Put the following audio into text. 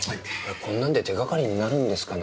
こんなんで手がかりになるんですかね？